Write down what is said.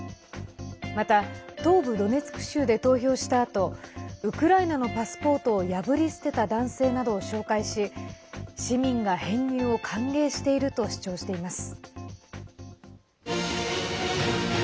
また、東部ドネツク州で投票したあとウクライナのパスポートを破り捨てた男性などを紹介し市民が編入を歓迎していると主張しています。